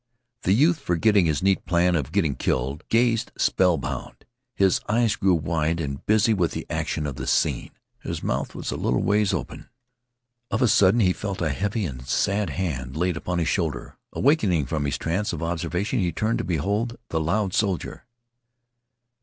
The youth, forgetting his neat plan of getting killed, gazed spell bound. His eyes grew wide and busy with the action of the scene. His mouth was a little ways open. Of a sudden he felt a heavy and sad hand laid upon his shoulder. Awakening from his trance of observation he turned and beheld the loud soldier.